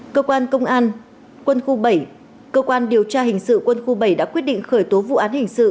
cơ quan công an quân khu bảy cơ quan điều tra hình sự quân khu bảy đã quyết định khởi tố vụ án hình sự